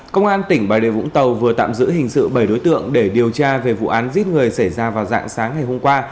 công an tỉnh bà đề vũng tàu vừa tạm giữ hình sự bảy đối tượng để điều tra về vụ án giết người xảy ra vào dạng sáng ngày hôm qua